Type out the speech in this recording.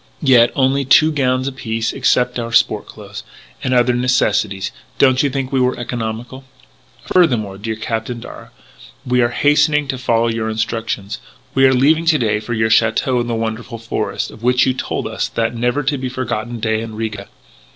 Yet only two gowns apiece, excepting our sport clothes. And other necessaries. Don't you think we were economical?" "Furthermore, dear Captain Darragh, we are hastening to follow your instructions. We are leaving to day for your château in the wonderful forest, of which you told us that never to be forgotten day in Riga.